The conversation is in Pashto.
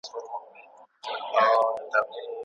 استاد باید شاګرد ته د ستونزو د حل لارې چارې وښيي.